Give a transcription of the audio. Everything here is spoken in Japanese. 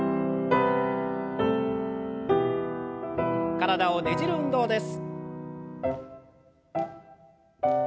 体をねじる運動です。